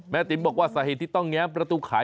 ติ๋มบอกว่าสาเหตุที่ต้องแง้มประตูขาย